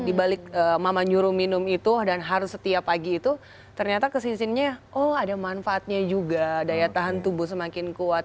di balik mama nyuruh minum itu dan harus setiap pagi itu ternyata kesisinnya oh ada manfaatnya juga daya tahan tubuh semakin kuat